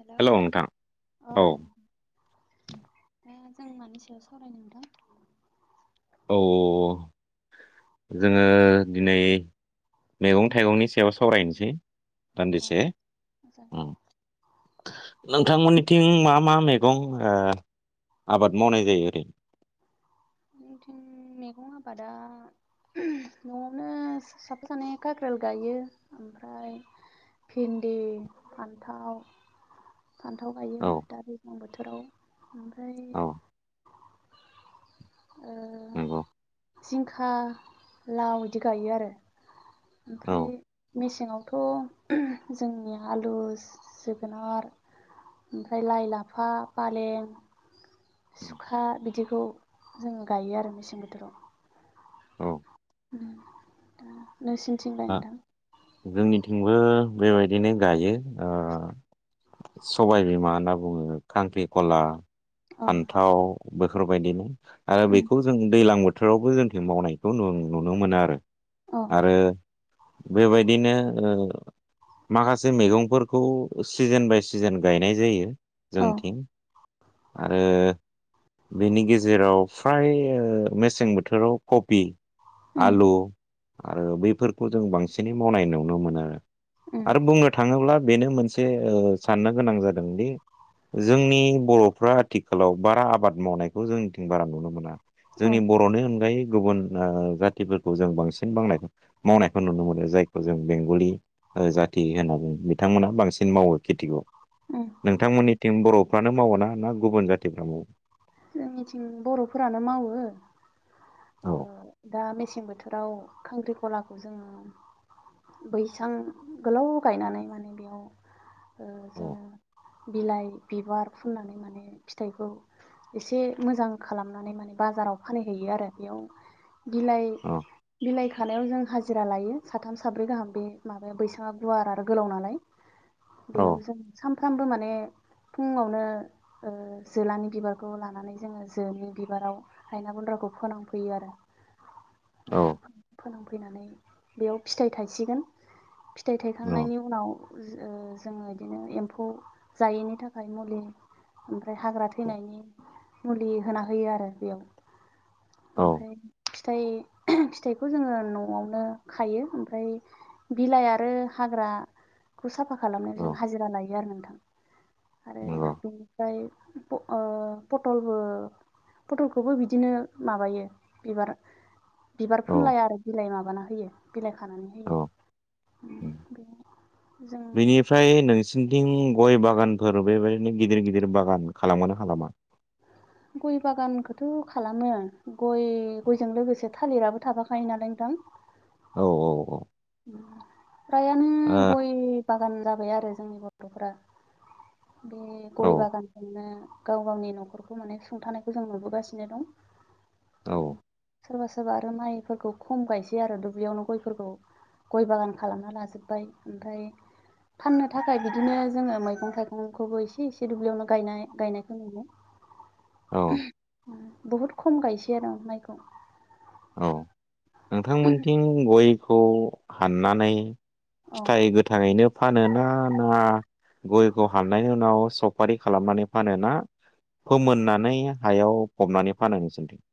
Hello hello अ नोंथां औ। दा जों मानि सायाव सावरायनो नोंथां? औ। जोङो दिनै मैगं थाइगंनि सायाव सावरायनोसै। दान्दिसे अ जागोन उम नोंथांमोननिथिं मा मा मे गं ओ आबाद मावनाय जायो ओरै? जोंनिथिं मैगं आबादा न'आवनो साफा सानै कक्रेल गायो ओमफ्राय भिन्दि फान्थाव फान्थाव गायो औ दा दैज्लां बोथोराव ओमफ्राय औ ओ नंगौ। जिंखा लाव इदि गायो आरो औ ओमफ्राय मे सेंङावथ' जोंनि आलु जोगोनार ओमफ्राय लाइ लाफा फालें सुखा बिदिखौ जोङो गायो आरो मेसें बोथोराव। औ। उम दा नोंसिनिथिंलाय आ नोंथां? जोंनिथिंबो बेबायदिनो गायो ओ सबायबिमा होनना बुंङो खांख्रिखला औ फान्थाव बेफोरबायदिनो आरो बेखौ जों दैलां बो थोरावबो जोंथिं मावनायखौ नुनो मोना आरो औ आरो बेबायदिनो ओ माखासे मैगंफोरखौ सिजोन बाय सिजोन गायनाय जायो औ जोंथिं आरो बेनि गेजेराव फ्राय मेसें बोथोराव कबि उम आलु आरो बैफोरखौ जों बांसिनै मावनाय नुनो मोनो। उम आरो बुंनो थांङोब्ला बेनो मोनसे ओ साननो गोनां जादोंदि जोंनि बर'फ्रा आथिखालाव बारा आबाद मावनायखौ जोंनिथिं बारा नुनो मोना। औ जोंनि बर'नि अनगायै गुबुन ओ जाथिफोरखौ जों बांसिन बांनाय मावनायखौ नुनो मोनो जायखौ जों बेंगलि ओ जाथि होननानै बिथांमोना बांसिन मावो खेथिखौ। उम नोंथांमोननिथिं बर'फ्रानो मावोना ना गुबुन जाथिफ्रा मावो जोंनिथिं बर'फोरानो मावो। ओ औ दा मेसें बोथोराव खांख्रि खलाखौ जोङो बैसां गोलाव गायनानै माने बेयाव ओ औ जोङो बिलाइ बिबार फुननानै माने फिथाइखौ। एसे मोजां खालामनानै माने बाजाराव फानहैयो आरो बेयाव बिलाइ औ बिलाइ खानायाव जों हाजिरा लायो साथाम साब्रै गाहाम बे माबाया बैसाङा गुवार आरो गोलाव नालाय। औ बेयाव जों सामफ्रामबो माने फुङावनो ओ जोलानि बिबार खौ लानानै जोङो जोनि बिबाराव हायना गुन्द्राखौ फोनांफैयो आरो ओ फोनांफैनानै बेयाव फिथाइ थायसिगोन फि थाइ थायखांनायनि औ उनाव जो ओ जोङो इदिनो एम्फौ जायैनि थाखाय मुलि [inaudible] हाग्रा थैनायनि मुलि होना होयो आरो बेयाव औ ओमफाय [inaudible] फिथाइखौ जोङो न'आवनो खायो ओमफ्राय बिलाइ आरो हाग्रा खौ साफा खालामनो जों औ हाजिरा लायो आरो नों आरो नंगौ बेनिफ्राय ओ पटलबो पटलखौबो बिदिनो माबायो बिबार बिबार औ फुनलाया आरो बिलाइ माबाना होयो बिलाइ खानानै होयो औ उम बे जों बेनिफ्राय नोंसिनिथिं गय बागानफोर बेबायदिनो गिदिर गिदिर बागान खालामोना खालामा? गय बागानखोथ' खालामो गय गयजों लोगोसे थालिराबो थाफाखायो नालाय नोंथां [inaudible] औ औ औ फ्रायानो गय बागान जाबाय आरो जोंनि गथ'फ्रा बे ओ गय बागानजोंनो गाव गावनि न'खरखौ माने सुंथानायखौ जों नुबोगासिनो दं औ सोरबा सोरबा आरो माइफोरखौ खम गायसै आरो दुब्लियावनो गयफोरखौ गय बागान खालामना लाजोब्बाय ओमफ्राय फाननो थाखाय बिदिनो जोङो मैगं थाइगंखौबो एसे एसे दुब्लियावनो गायनाय गायनायखौ मोनो औ उम बुहुद खम गायसै आरो माइखौ औ नोंथांमोनथिं गयखौ हाननानै औ फिथाइ गोथाङैनो फानोना ना गयखौ हाननायनि उनाव सफारि खालामनानै फानोना फोमोननानै हायाव फबनानै फानो नोंसोनिथिं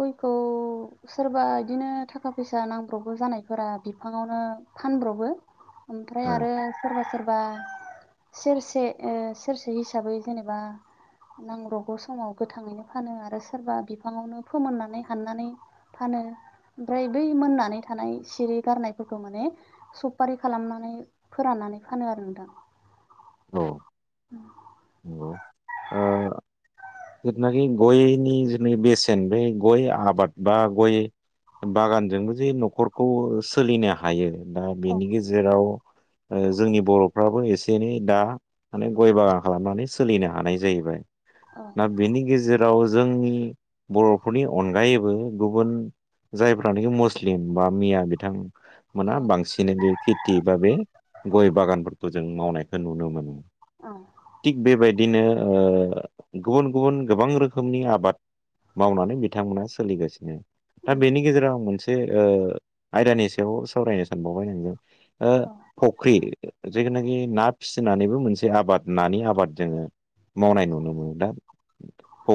गयखौ सोरबा इदिनो थाखा फैसा नांब्रबगौ जानायफोरा बिफाङावनो फानब्रबो औ ओमफ्राय आरो सोरबा सोरबा सेरसे ओ सेरसे हिसाबै जेनेबा नांब्रबगौ समाव गोथाङैनो फानो आरो सोरबा बिफाङावनो फोमोननानै हाननानै फानो ओमफ्राय बै मोननानै थानाय सिरि गारनायफोरखौ माने सफारि खालामनानै फोरान फानो आरो नोंथां। औ। [inaudible] नोंगौ ओ नाखि गयनि बेसेन बे गय आबाद बा गय बागानजोंबो जे न'खरखौ सोलिनो हायो दा औ बेनि गेजेराव जोंनि बर'फ्राबो एसे एनै दा माने गय बागान खालामनानै सोलिनो हानाय जाहैबाय। औ दा बेनि गेजेराव जोंनि बर'फोरनि अनगायैबो गुबुन जायफ्रानोखि मुस्लिम बा मिया बिथां मोना औ बांसिनै बे खेथि बा बे गय बागानफोरखौ जों मावनायखौ नुनो मोनो। औ थिग बेबायदिनो ओ गुबुन गुबुन गोबां रोखोमनि आबाद मावनानै बिथांमोना सोलिगासिनो। दा उम बेनि गेजेराव आं मोनसे ओ आयदानि सायाव सावरायनो सानबावबाय नोंजों। औ ओ फ'ख्रि जेखुनाखि ना फिसिनानैबो मोनसे आबाद नानि आबाद जोङो मावनाय नुनो मोनो। दा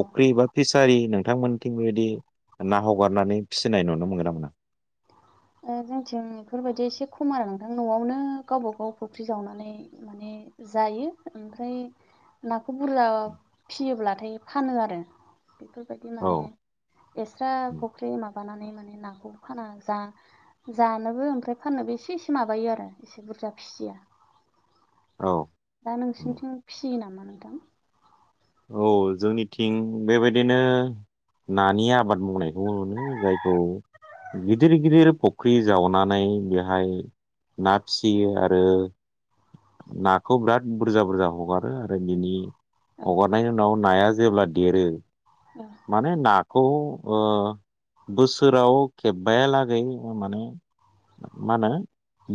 औ बा फिसारि होनो। नोंथांमोनथिं बेबायदि ना हगारनानै फिसिनाय नुनो मोनगोन ना मोना। जोंथिं बेफोरबायदि एसे खम आरो नोंथां न'आवनो गावबा गाव फख्रि जावनानै माने जायो ओमफ्राय ना खौ बुरजा फिसियोब्लाथाय फानो आरो। बेफोरबायदि माने औ एक्स्रा फुख्रि माबानानै माने नाखौ फाना जा। जानोबो ओमफ्राय फाननोबो एसे एसे माबायो आरो इसे बुरजा फिसिया। औ दा नोंसिनिथिं फिसियो नामा नोंथां। औ जोंनिथिं बेबायदिनो नानि आबाद मावनायखौ नुयो जायखौ गिदिर गिदिर फुख्रि जावनानै बेहाय ना फिसियो आरो नाखौ बिराद बुरजा बुरजा हगारो आरो बिनि औ हगारनायनि उनाव नाया जेब्ला देरो औ माने नाखौ ओ बोसोराव खेब्बाया लागै माने मा होनो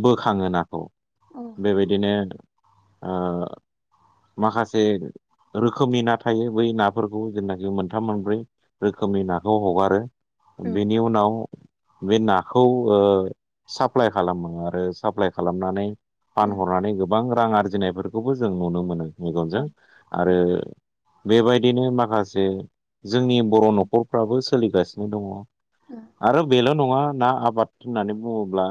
बोखाङो नाखौ। औ बेबायदिनो ओ माखासे रोखोमनि ना थायो बै नाफोरखौ जेनाखि मोनथाम मोनब्रै रोखोमनि नाखौ हगारो। उम बेनि उनाव बे नाखौ साप्लाइ खालामो आरो साप्लाइ खालामनानै उम फानहरनानै गोबां रां आरजिनायफोरखौबो जों नुनो मोनो औ मेगनजों। आरो बेबायदिनो माखासे जोंनि बर' न'खरफ्राबो सोलिगासिनो दङ। औ आरो बेल नङा ना आबाद होननानै बुङोब्ला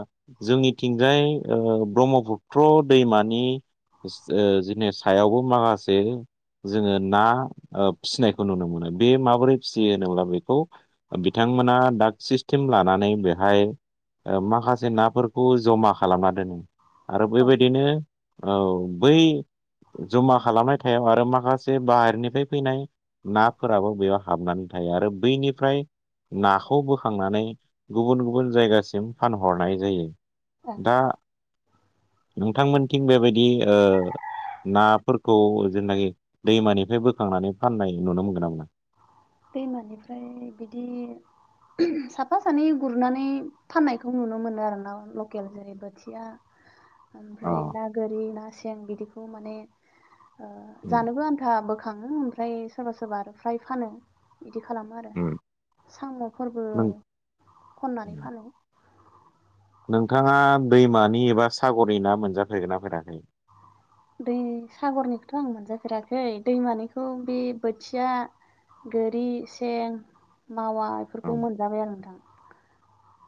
जोंनिथिंजाय ओ ब्रह्म ब्रह्मपुत्र दैमानि जोंनिया सायावबो माखासे जोङो ना फिसिनायखौ नुनो मोनो बे माबोरै फिसियो होनोब्ला बेखौ बिथांमोना दाग सिस्टेम लानानै बेहाय माखासे नाफोरखौ जमा खालामना दोनो आरो औ बेबायदिनो औ बै जमा खालामनाय थायाव आरो आरो माखासे बाहेरनिफ्राय फैनाय नाफोराबो बेयाव हाबनानै थायो आरो बैनिफ्राय नाखौ बोखांनानै गुबुन गुबुन जायगासिम फानहरनाय जायो दा नोंथांमोनथिं बेबायदि ओ नाफोरखौ जेनाखि दैमानिफ्राय बोखांनानै फाननाय नुनो मोनगोन ना मोना। दैमानिफ्राय बिदि साफा सानै गुरनानै फाननायखौ नुनो मोनो आरो ना लकेल जेरै बोथिया। [unintelligible] [inaudible] ओमफ्राय अ ना गोरि ना सें बिदिखौ माने ओ उम जानोबो आन्था बोखा खाङो ओमफ्राय सोरबा सोरबा फ्राय फानो। बिदि खालामो आरो उम सामफोरबो नों खननानै फानो। नोंथाङा दैमानि एबा सागरनि ना मोनजाफेरगोनना फेराखै? दै सागरनिखौथ' आं मोनजाफेराखै दैमानिखौ बे बोथिया गोरि सें मावा औ बेफोरखौ मोनजाबाय आं नोंथां।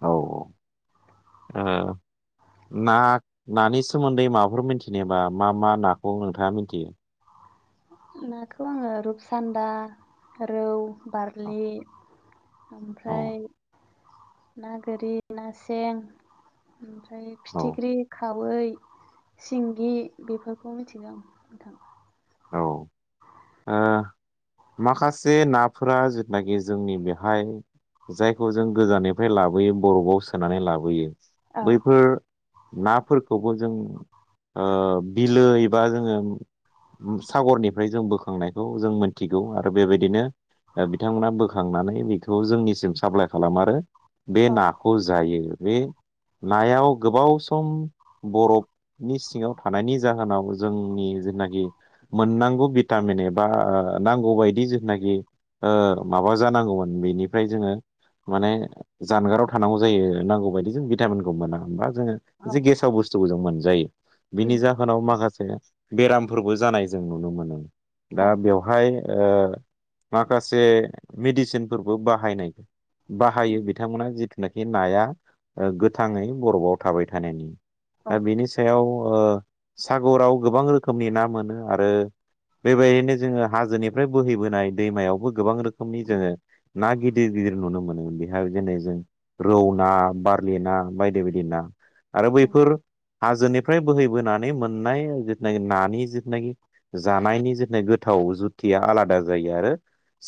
औ अ ओ। ना नानि सोमोन्दै माबाफोर मिथिनायबा मा मा नाखौ नोंथाङा मिथियो? नाथ' आङो रुपसान्दा रौ बारलि औ ओमफ्राय ना गोरि ना सें ओमफ्राय औ फिथिख्रि खाव बुयै सिंगि बेफोरखौ मिथिगो आं नोंथां। औ ओ [unintelligible] माखासे नाफोरा जोथनागे जोंनि बेहाय जायखौ जों गोजाननिफ्राय लाबोयो बरफआव सोनानै लाबोयो औ बैफोर नाफोरखौबो जों ओ बिलो एबा जोङो सागरनिफ्राय जों बोखांनायखौ जों मोनथिगौ आरो बेबायदिनो ओ बिथांमोना बोखांनानै बेखौ जोंनिसिम साप्लाइ खालाम आरो बे औ नाखौ जायो बे नायाव गोबाव सम बरफनि सिङाव थानायनि जाहोनाव जोंनि जोदनागि मोननांगौ भिटामिन एबा नांगौ बायदि जोदनागि ओ माबा जानांगौमोन बेनिफ्राय जोङो माने जानगाराव थानांगौ जायो नांगौ बायदि जों भिटामिनखौ मोना होनबा जोंयो औ जे गेसाव बुसथुखौ जों मोनजायो बिनि उम जाहोनाव माखासे बेरामफोरबो जानाय जों नुनो मोनो औ दा बेवहाय ओ माखासे मेडिसिनफोरबो बाहायनाय बाहायो बिथांमोना जिथुनाखि नाया गोथाङै बरफआव थाबाय थानायनि। औ दा बेनि सायाव ओ सागराव गोबां रोखोमनि ना मोनो आरो बेबायनो जोङो हाजोनिफ्राय बोहैबोनाय दैमायावबो गोबां रो खोमनि जोङो ना गिदिर गिदिर नुनो मोनोमोन बिहा जेनै जों रौ ना बारलि ना बायदि बायदि ना आरो उम बैफोर हाजोनिफ्राय बोहैबोनानै मोननाय जोथनागि नानि जोथनागि जानायनि जोथनाय गोथाव जुथिया आलादा जायो आरो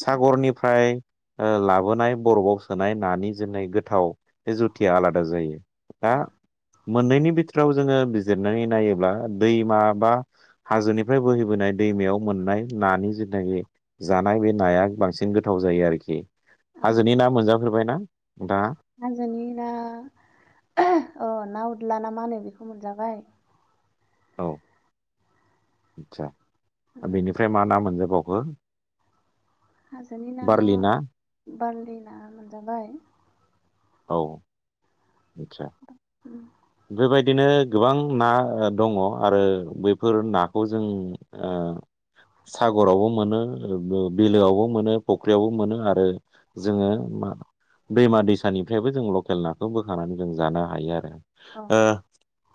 सागरनिफ्राय ओ लाबोनाय बरफआव सोनाय नानि जेनाय गोथाव बे जुतिया आलादा जायो दा औ मोननैनि बिथोराव जोङो जेरनानै नायोब्ला दैमा बा हाजोनि फ्राय बोहैबोनाय दैमायाव मोननाय नानि जितनागि जानाय बे नाया बांसिन गोथाव जायो आरोखि। औ हाजोनि ना मोनजाफेरबाय ना? हाजोनि ना अ ना उदला ना मा होनो बेखौ मोनजाबाय औ आदसा उम बेनिफ्राय मा ना मोनजोबाव बयो हाजोनि ना बारलि ना मोनजाबाय औ। आदसा उ। बेबायदिनो गोबां ना दङ आरो बैफोर नाखौ जों आ सागरावबो मोनो बिलोआवबो मोनो फुख्रियावबो मोनो आरो जोङो मा दैमा दैसानिफ्रायबो जों लकेल नाखौ बोखांानानै जों जानो हायो आरो। औ ओ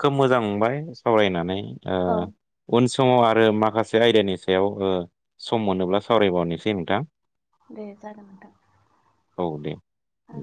खोब मोजां मोनबाय सावरायनानै ओ औ उन थंआव आरो माखासे आयदानि सायाव ओ सम मोनोब्ला सावरायबावनोसै नोंथां? दे जागान नोंथां। औ दे। औ।